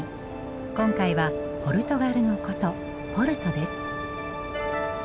今回はポルトガルの古都ポルトです。